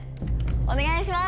お願いします！